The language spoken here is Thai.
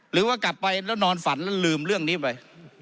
หรือว่ากลับไปแล้วนอนฝันแล้วลืมเรื่องนี้ไป